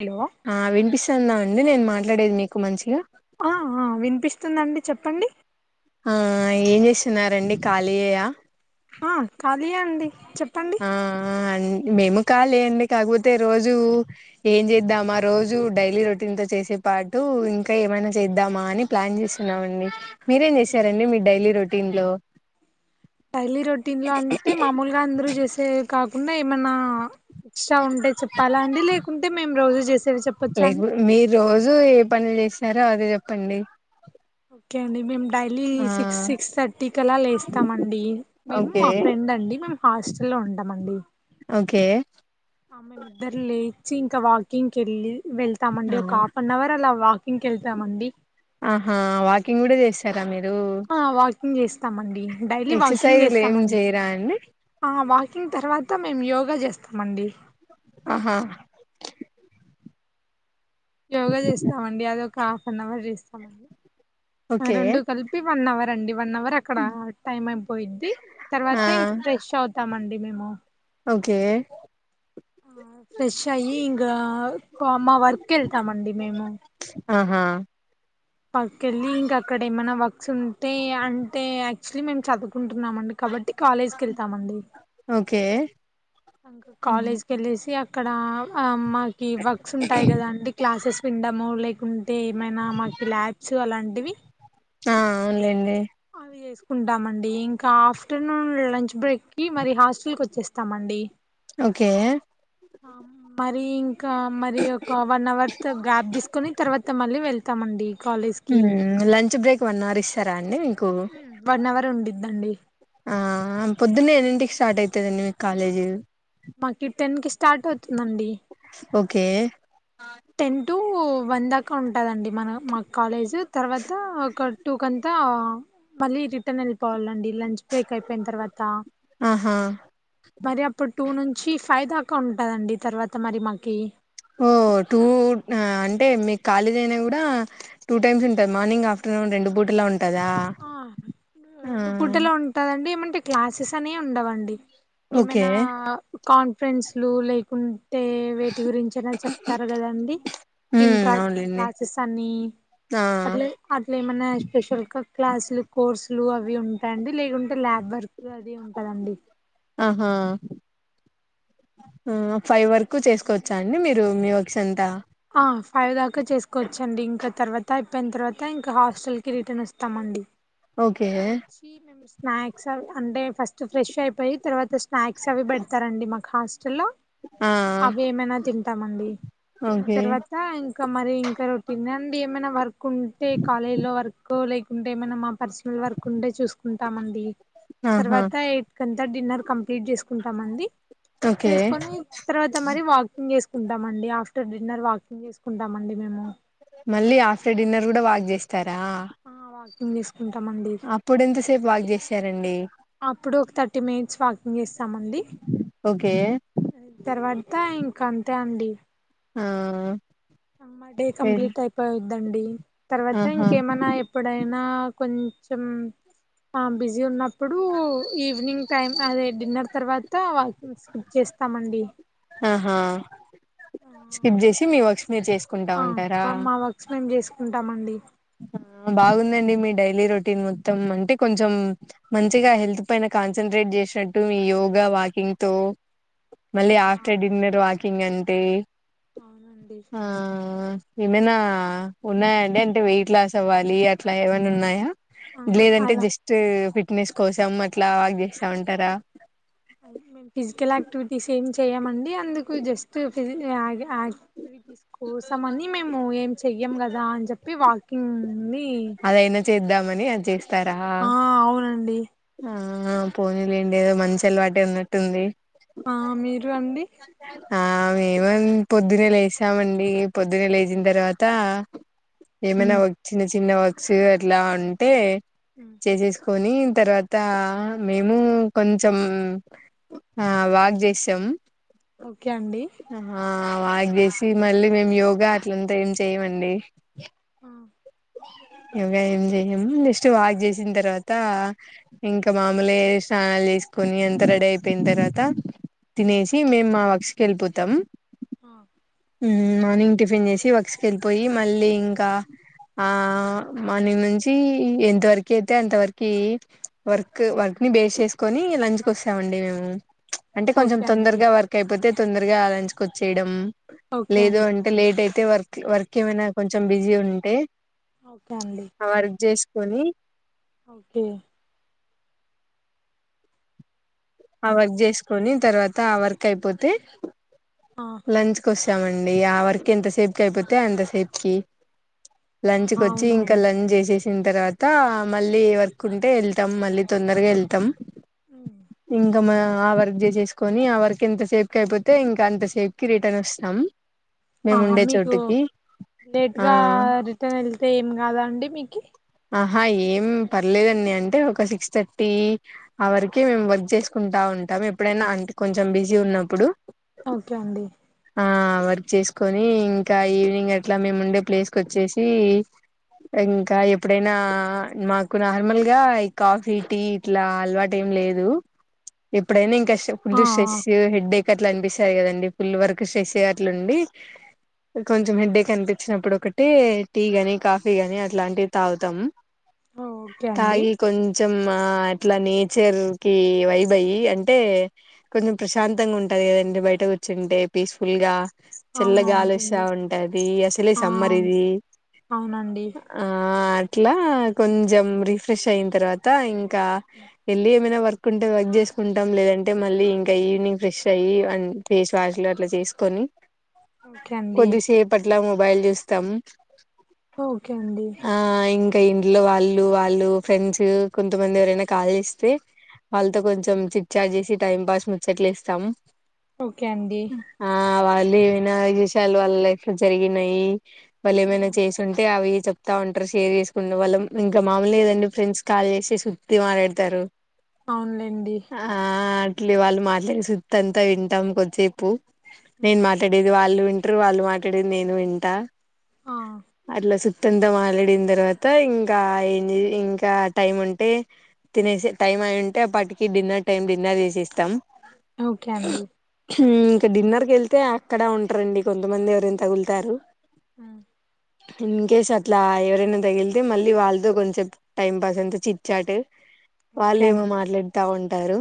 Hello ఆహ్ వినిపిస్తుందా అండి నేను మాట్లాడేది మీకు మంచిగా తుందండి చెప్పండి ఆహ్ ఏం చేస్తున్నారండి ఖళియేయా ఆహ్ ఖళియే అండి చెప్పండి ఆ ఆ మేము ఖళియే అండి కాకపోతే రోజు ఏం చేద్దామా రోజు డైలీ రొటీన్ తో చే సె పాటు ఇంకా ఏమైనా చేద్దామా అని ప్లాన్ చేస్తున్నామండి మీరేం చేసారండి మీ డైలీ రొటీన్ లో డైలీ రొటీన్ లో అంటె మామూలుగా అందరు చేసే కాకుండా ఏమన్నా ఎక్సట్రా ఉంటే చెప్పాలా అండి లేకుంటె మేము రోజు చేసేవె చెప్పచ్చా లైక్ అండి మీరు రోజు ఏ పనులు చేశారొ అదే చెప్పండి ఓక్కె అండి మేము డైలీ ఆ సిక్స్ సిక్స్ థర్టీ కలా లేస్తాం అండి మేము ఓకే మా ఫ్రెండ్ అండి మేమ్ హాస్టల్లొ లొ ఉండమండి కే ఆమే నిద్ర లేచి ఇంక వాకింగ్ కెళ్ళి ఆ వెళ్తామండి ఒక హాఫ్ అన్ అవర్ అలా వాకింగ్ కెళ్తామండి తరా మీరూ కింగ్ చేస్తామండి డైలీ వాకింగ్ ఏం చేస్తామండి చేయరా అండి అహ్ వా కింగ్ తర్వాత మేము యోగా చేస్తామండి ఆహా యోగా చేస్తామండి అదొక హాఫ్ అన్ అవర్ చేస్తామండి ఆ ఓకే రెండు కలిపి వన్ అవర్ అండి వన్ అవర్ అక్కడ టైం అయిపోయిద్ది తర్వాత ఆ ఇంక ఫ్రెష్ అవుతామండి మేము ఓకే ఫ్రెష్ అయ్యి ఇంకా మా వర్క్ వెళ్తామండి ఆహా పక్కెళ్ళి ఇంకా అక్కడేమన్న వర్క్స్ ఉంటే అంటే యాక్చువలీ మేము చదువుకు కుంటున్నామండి కాబట్టి కాలేజ్కి ఎళ్తామండి కే ఇంకా కాలేజ్కేళ్ళేసి అక్కడా ఆ మాకి వర్క్స్ ఉంటాయి కదా అండి క్లాసెస్విండము లేకుంటే ఏమైనా మాకి ల్యాబ్స్ అలాంటి ఇవి ఆ అవున్లేండి అది చేసుకుంటామండి ఇంకా ఆఫ్టర్నూన్ లంచ్ బ్రేక్కి మరి హాస్టల్కోచ్చేస్ తమండి ఓకే మరీ ఇంకా మరి ఒక వన్ అవర్త్ గ్యాప్ తీసుకొని తర్వాత మళ్ళీ వెళ్తామండి. కాలేజ్కి హు లంచ్ బ్రేక్ వన్ అవర్ ఇస్తార అండి. మీకు వన్నవర్ ఉండిద్దా అండి ఆ పొద్దున్నే ఎన్నింటికి స్టార్ట్ అయితదండి మీకు కాలేజు మాకి టెన్కి స్టార్ట్ అవుతుందండి ఓకే టెన్టూ వన్ దాకా ఉంటుందండి మన మా కాలేజ్ తర్వాత ఒక టూ కంతా మళ్ళి రిటర్న్ ఏళ్ళిపోవాలండి లంచ్ బ్రేక్ అయిపోయిన తర్వాత ఆహా మరి అప్పుడు టూ నుంచి నుంచి ఫై దాకా ఉంటుందండి తర్వాత మరి మాకి ఓ టూ అంటే మీకు కాలేజేనా కూడా టూ టైమ్స్ ఉంటాయి మార్నింగ్ ఆఫ్టర్న ఒ రెండుబూటలుంట ఆ రెండు పుట్టలుంటదండి ఏమంటే క్లాసెసనే ఉండవండి ఓకే ఏమైనా కాన్ఫరెన్స్లు లైక్ ఉంటే వేటి గురించైనా చెప్తారు గదండి ఉమ్ ఇంట్రాక్షన్ అవునులేండి క్లాసెసన్ని ఆ అట్ల అట్లేమన్నా స్పెషల్ క్లాస్లు కోర్సులు అవి ఉంటాయండి లేకుంటే ల్యాబ్ వర్క్ అది ఉంటదండి. ఆహా ఆ ఫైవ్ వరకు చేసుకోవచ్చా అండి. మీరు మీ వర్సంత ఆ ఫైవ్ దాకా చేసుకోవచ్చండి. ఇంకా తర్వాత అయిపోయ్న్ తర్వాత ఇంకా హాస్టల్కి రిటర్న్ వస్తామ అండి ఓకే ఆ వచ్చి మేము స్నాక్స్ అవి అంటే ఫస్ట్ ఫ్రెషైపోయి తర్వాత స్నాక్స్ అవి పెడ్తారండి మాకు హాస్టల్లో ఆ అవేమైనా తింటామండి. తిన్న ఓకే తర్వాత ఇంకా మరి ఇంకా రొటినండి. ఏమైనా వర్కుంటే కాలేజ్లో వర్క్ లైక్ ఉంటే మైన పర్సనల్ వర్క్ ఉంటే చూసుకుంటామండి. ఆహా తర్వాత డిన్నర్ కంప్లీట్ జేసుకుంటామండి. ఓకే చేసుకొని తర్వాత మరి వాకింగ్ చేసుకు కుంటామండి ఆఫ్టర్ డిన్నర్ వాకింగ్ జేసుకుంటామండి మేము మళ్ళీ ఆఫ్టర్ డిన్నర్ కూడా వాక్ జేస్తారా ఆ వాకింగ్ చేసుకుంటామండి అప్పుడెంతసేపు వాక్ జేసారండి అప్పుడు ఒక థర్టీ మినిట్స్ వాకింగ్ చేస్తామండి. ఓకే తర్వాత ఇంకా ఇంకా అంతే అండి ఆ అంటే వెల్ కంప్లీటైపోయుద్ధండి తర్వాత ఆహా ఇంకేమైనా ఎప్పుడైనా ఆ కొంచెం బిజీ ఉన్నప్పుడు ఈవినింగ్ టైం అదే డిన్నర్ తర్వాత వాకింగ్ చేస్తామండి ఆహా స్కిప్ జేసి మీ వర్క్స్ మీరు చేసుకుంటా ఉంటారా. ఉంటామండి బాగుందండి మీ డైలీ రొటీన్మొత్తం అంటే కొంచెం మంచిగా హెల్త్ పైన కాన్సన్ట్రేట్ జేసినట్టు మీ యోగా వాకింగ్తో మళ్ళీ ఆఫ్టర్ డిన్నర్ వాకింగంటే అవునండి ఆ ఏమైనా ఉన్నాయండి అంటే వెయిట్లాస్ అవ్వాలి అట్లా ఏవైనా ఉన్నాయా ఆహా లేదంటే అలా జస్ట్ ఫిట్నెస్ కోసం అట్లా వాక్ చేస్తా ఉంటారా. ఫిజికల్ ఆక్టివిటీస్ ఏం చేయమండి. అందుకు జస్ట్ ఫిజిక్ ఆగి ఆగి కోసం అని మేము ఏం చెయ్యం కదా అని చెప్పి వాకింగ్ని అదైనా చేద్దామని అది చేస్తారా ఆ అవునండి ఆ పోనీలెండి మంచి అలవాటే ఉన్నట్టుంది. ఆ మీరు అండి ఆ మేమ పొద్దున్నే లేసామండి పొద్దున్నే లేచిన తర్వాత ఏమైనా ఉమ్, ఒక చిన్న చిన్న వర్క్స్ అట్లా ఉంటే ఉమ్, చేసేసు కొని తర్వాత మేము కొంచెం ఆ వాక్ చేస్తాం ఓకే అండి ఆ వాక్ చేసి మళ్ళీ మేం యోగా అట్లంతా ఏం చెయమండి ఆ యోగా ఏం చెయ్యము నెక్స్ట్ వాక్ చేసిన తర్వాత ఇంకా మామూలే స్నానాలు చేసుకు కొని అంత రడి అయిపోయిన తర్వాత ఉమ్, తినేసి మేము మా వర్క్స్ కి వెళ్ళిపోతాం ఆ ఉమ్ మార్నింగ్ టిఫిన్ చేసి వర్క్స్కె కెళ్ళిపోయి మళ్ళీ ఇంకా ఆ మార్నింగ్ నుంచి ఎంత వరకి అయితే అంత వరకి వర్క్ వర్క్ ని బేస్ చేసుకొని లంచ్ కోస్తామండి మేము అంటే కొంచెం ఓకే అండి తొందరగా వర్క్ అయిపోతే తొందరగా లంచ్ కొచ్చేయడం ఓకే లేదు అండి అంటే లేట్ అయితే వర్క్ వర్క్ ఏమైనా కొంచెం బిజీ ఉంటే ఓకే అండి ఆ వర్క్ చేసుకొని ఓకే ఆ వర్క్ చేసుకొని తర్వాత ఆ వర్క్ అయిపోతే ఆ, లంచ్ కొ స్తామండి ఆ వర్క్ ఎంతసేపుకి అయిపోతే ఎంతసేపుకి లంచ్ కి ఆహా వచ్చి అవునా ఇంకా అండి లంచ్ చేసేసి తిన తర్వాత మళ్ళీ వర్క్ ఉంటే వెళ్తాం మళ్ళీ తొందరగా వెళ్తాం ఉమ్, ఇంకా మా ఆ వర్క్ చేసేసుకొని ఆ వర్క్ ఎంత సేపు క్ అయిపోతే ఇంకా అంత సేప్ కి రిటర్న్ వస్తాం మేము ఆహా ఉండే మీకు చోటుకి లేట్గా ఆ రిటర్న్ వెళ్తే ఏం కాదా అండి మీకి ఆహా ఏం పర్లేదండి అంటే ఒక సిక్స్ థర్టీ ఆ వరకే మేము వర్క్ చేసుకుంటాం ఉంటాం ఎప్పుడైనా అంటే కొంచెం బిజీ ఉన్నప్పుడు ఓకే అండి ఆ వర్క్ చేసుకొని ఇంకా ఈవినింగ్ అట్లా మేము ఉండే ప్లేస్ కొచ్చేసి ఇంకా ఎ ప్పుడైనా మాకు నార్మల్గా ఈ కాఫీ టీ ఇట్లా అలవాటేం లేదు ఎప్పుడైనా ఇంకా ష్ ఫుల్ ఆ స్ట్రెస్ హెడ్డేక్ అట్లా అనిపిస్తదికదండీ ఫుల్ వర్క్ స్ట్రెస్ అట్లా ఉండి హ్ కొంచెం హెడేక్ అనిపించినప్పుడు ఒకటి టీ గాని కాఫీ గానీ అట్లాంటి తగుతాం ఆ ఓకే అండి తాగి కొంచ చం ఆ అట్ల నేచర్ కి వైబ్ అయి అంటే కొంచెం ప్రశాంతంగా ఉంటది లేదండి బయట కూర్చుంటే పీస్ఫుల్ గా చల్లగాలస్తా అవునవునుండి ఉంటది అసలే ఆ సమ్మర్ ఇది అవునండి ఆ ఆ అట్లా కొంచెం రిఫ్రెష్ అయిన తర్వాత ఇంకా వెళ్ళి ఏమైనా వర్క్ కుంటే వర్క్ చేసుకుంటాం లేదంటే మళ్ళీ ఇంకా ఈవినింగ్ ఫ్రెష్ అయ్యి అండ్ ఫేస్ వాష్లు అట్లా చేసుకొని ఓకే అండి కొద్దిసేపట్ల మొబైల్ చూస్తాం ఓకే అండీ ఎ ఇంట్లో వాళ్ళు వాళ్ళు ఫ్రెండ్స్ కొంతమంది ఎవరైనా కాల్ చేస్తే వాళ్ళతో కొంచెం చిట్ చాట్ చేసి టైం పాస్ ముచ్చట్లేస్తాం ఓకే అండి వాళ్ళు ఏమైనా విషయాలు వాళ్ళ లైఫ్ లో జరిగినయి వాళ్ళు ఏమైనా హ్మ్. చేసుంటే అవి చెతా ఉంటారు షేర్ చేసుకునే వాళ్ళం ఇంకా మామలు లేదండి ఫ్రెండ్స్ కాల్ చేసి సుత్తి మాట్లాడతారు అవునులేండి ఆ వాళ్ళు మాట్లాడ సుత్తాంత వింటాం కొద్దిసేపు నేను హ్మ్. మాట్లాడేది వాళ్ళువి ట్రూ వాళ్ళు మాట్లాడేది నేను వింటా ఆ అట్ల సు త్తంత మాట్లాడిన తర్వాత ఇంకా ఏం ఇంకా టైం ఉంటే తినేసి టైం అయి ఉంటే అప్పటికి డిన్నర్ టైం డిన్నర్ చేసేస్తాం ఓకే అండి ఇంకా డిన్నర్ కెళ్తే అక్కడ ఉంటారండి కొంతమంది ఎవరనా తగులుతారు ఆ ఇన్కేస్ అట్లా ఎవరైనా తగిలితే మళ్ళీ వాళ్ళతో కొంచెం టైం పాస్ అంత చిట్చ్చాటు ఓకే వాళ్లేమో అండి మాట్లాడుతా ఉంటారు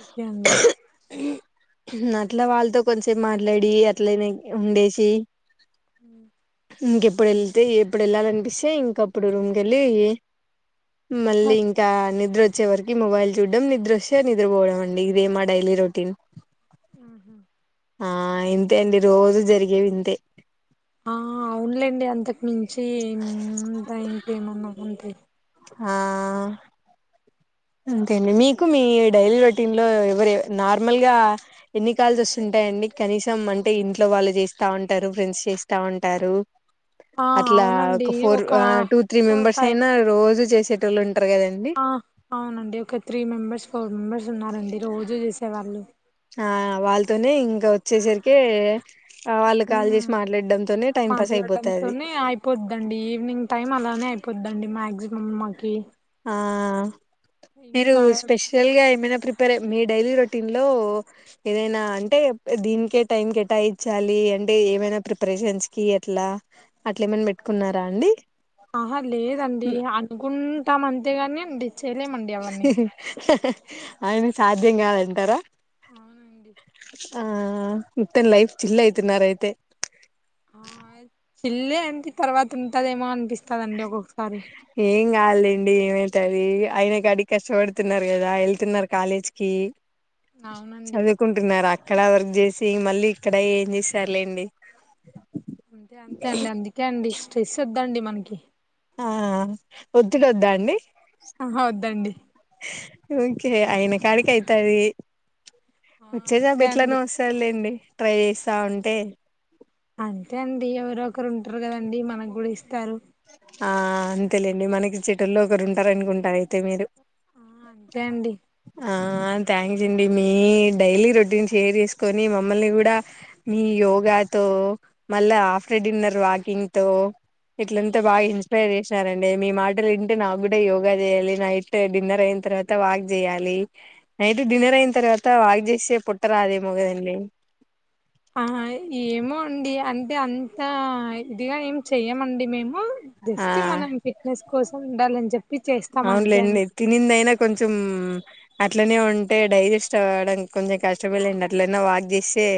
ఓకే అండి అట్ల వాళ్ళతో కొంచసేపు మాట్లాడి అట్లయినా ఉండేసి ఉమ్ ఇంకెప్పుడు వెళ్తే ఎప్పుడు ఎళ్ళాలనిపిస్తే ఇంక అప్పుడు రూమ్కెళ్ళి మళ్ళీ ఓకే. ఇంకా నిద్రొ చ్చే వరికి మొబైల్ చూడ్డం నిద్రొస్తే నిద్రపోవడం అండి ఇదే మా డైలీ రొటీన్ ఆహా ఆ ఇంతే అండి రోజు జరిగేవి ఇంతే ఆ అవునులేండి అంతకు మించి దా ఇంకేమన్నా ఉంటే ఆ అంతే అండి మీకు మీ డైలీ రొటీన్లో ఎవరు నార్మల్గా ఎన్ని కాల్స్ వస్తుంటా యి అండి కనీసం అంటే ఇంట్లో వాళ్ళు చేస్తా ఉంటారు ఫ్రెండ్స్ చేస్తా ఉంటారు ఆ అట్లా అవునండి ఒక four two three four members five అయినా రోజు చేస్ టోళ్లు ఉంట్రా కదండి ఆ అవునండి ఒక త్రీ మెంబెర్స్ ఫోర్ మెంబర్స్ ఉన్నారండి రోజు చేసేవాళ్ళు ఆ వాళ్ళతోనే ఇంగ వచ్చేసరికే వాళ్ళు కాల్ చేసి హ్మ్ మాట్లాడం మాట్లాడడంతోనే అయిపోద్దండి ఈవినింగ్ టైం అలానే అయిపోద్దండి మ్యాగ్ సిమమ్ మాకి ఆ మీరు ఇంకా స్పెషల్గా ఏమైనా ప్రిపేర్ మీ డైలీ రొటీన్ లో ఏదైనా అంటే దీనికే టైం కేటాయించాలి అంటే ఏమైనా ప్రిపరేషన్స్ కి అట్లా అట్లా ఏమనా పెట్టుకున్నరా అండి ఆహా లేదండి అనుకుంటాం అంతేగాని డి అయినా సాధ్యం కాదంటారా అవునండి ఆ మొత్తం లైఫ్ చిల్ అయితునారయితే ఆ చిళ్లే అంటె తర్వాత ఉంటదేమో అనిపిస్తందండి ఒక్కొక్కసారి కాదులెండి ఏమైతది అయిన కాడి కష్టపడుతున్నారు కదా వెళ్తున్నారు కాలేజ్ కి అవునండి చదువుకుంటున్నారా అక్కడ వర్క్ చేసి మళ్ళీ ఇక్కడ ఏం చేస్తారులేండి అంతే అండి అందుకే అండి స్ట్రెస్ వద్దండి మనకి ఆ ఒత్తిడి వద్దా అండి అహ వద్దండి ఓకే అయిన కాడికి అయితది ఆ వచ్చే జాబు అంతే ఎట్లయిన అండి వస్తది లేండి ట్రై చేస్తా ఉంటే అంతే అండి ఎవరు ఒకరు ఉంటారు కదండి మనకు కూడా ఇస్తారు ఆ అంతేలేండి మనకి చెటోల్లే ఒకరు ఉంటారు అనుకుంటారు అయితే మీరు అ అంతే అండి ఆ థ్యాంక్స్ అండి మీ డైలీ రొటీన్ షేర్ చేసుకొని మమ్మల్ని కూడా మీ యోగాతో ఓహ్ ఆఫ్రెడిన్నర్ వాకింగ్ తో ఏంతా బాగా ఇన్స్పైర్ చేసారండి మీ మాటలు ఇంటే నాకు కూడా యోగా చేయాలి నైట్ డిన్నర్ అయిన్ తర్వాత త వాక్ చేయాలి నైట్ డిన్నర్ అయిన తర్వాత వాక్ చేసే పొట్ట రాదేమొగదండి ఆహా ఏమో అండి అంటే అంత ఇదిగా ఏమి చెయ్యమండి మేము ఆ జస్ట్ మనం ఫిట్నెస్ కోసం ఉండాలని చెప్పి చేస్తాం అంతే అవునులెండి అండి తినిందైనా కొంచెం అట్లనే ఉంటే డైజెస్ట్ అవ్వడానికి కొంచెం కష్టపలేండి అట్లనే వాక్ చేసి ఏ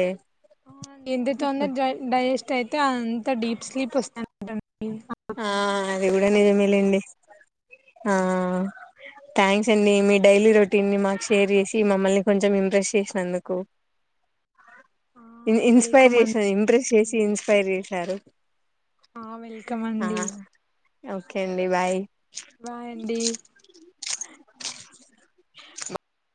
ఎంతతొందర్ డై డైజెస్ట్ అయితే అంత డీప్ స్లీప్ వస్తా ఆ అది కూడా నిజమేలేండి ఆ థ్యాంక్స్ అండి మీ డైలీ రొటీన్ మాకు షేర్ చేసి మమ్మల్ని కొంచెం ఇంప్రెస్స్ చేసినందుకు ఆ ఇ ఇన్స్పైర్ వెల్కమ్ చేసర్ అండి ఇంట్రెస్ట్ పర్లేదండి చేసి ఇన్స్పైర్ చేశారు ఆ వెల్కమ్ ఆ అండి ఓకే అండి బాయ్ బాయ్ అండి